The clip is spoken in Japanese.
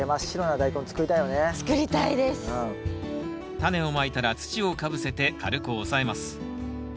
タネをまいたら土をかぶせて軽く押さえます。